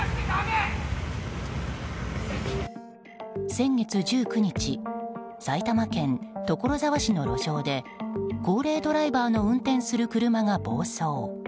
先月１９日埼玉県所沢市の路上で高齢ドライバーの運転する車が暴走。